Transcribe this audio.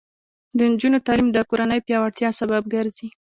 د نجونو تعلیم د کورنۍ پیاوړتیا سبب ګرځي.